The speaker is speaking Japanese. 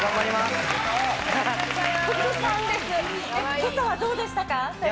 けさはどうでしたか？